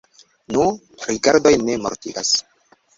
Nu, rigardoj ne mortigas.